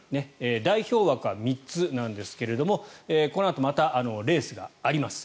代表枠は３つなんですけれどこのあとまたレースがあります。